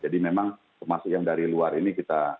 jadi memang kemasinan dari luar ini kita